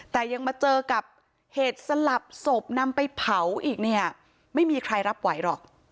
แต่ยังมาเจอกับเหตุสลับศพนำไปเผาอีกเนี่ยไม่มีใครรับไหวหรอก